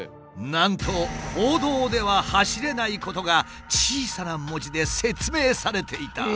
なんと公道では走れないことが小さな文字で説明されていた。